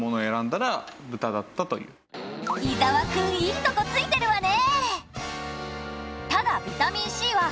伊沢くんいいとこついてるわね！